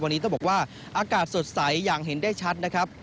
วันนี้ต้องบอกว่าอากาศสดใสอย่างเห็นได้ชัดนะครับ